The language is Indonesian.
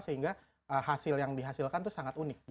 sehingga hasil yang dihasilkan itu sangat unik